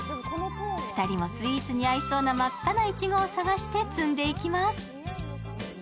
２人もスイーツに合いそうな真っ赤ないちごを探して摘んでいきます。